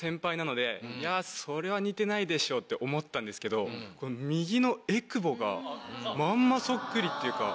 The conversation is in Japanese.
それは似てないでしょって思ったんですけど右のえくぼがまんまそっくりっていうか。